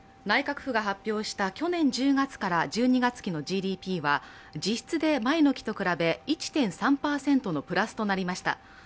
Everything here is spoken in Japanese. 内閣府が発表した去年１０月から１２月期のＧＤＰは実質で前の期と比べ１．３％のプラスとなりました。